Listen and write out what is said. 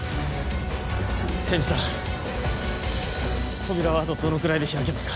千住さん扉はあとどのくらいで開きますか？